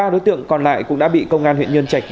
ba đối tượng còn lại cũng đã bị công an huyện nhân trạch